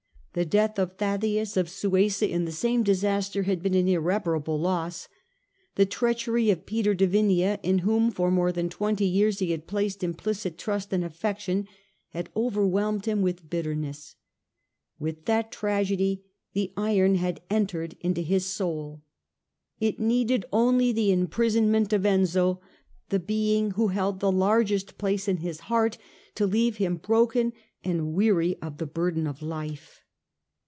The death of Thaddaeus of Suessa in the same disaster had been an irreparable loss. The treachery of Peter de Vinea, in whom for more than twenty years he had placed implicit trust and affection, had overwhelmed him with bitterness : with that tragedy the iron had entered into his soul. It needed only the imprisonment of Enzio, the being who held the largest place in his heart, to leave him broken and weary of the burden of life.